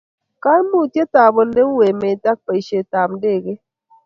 kaimutiet ab ole u emet eng baishet ab ndekeit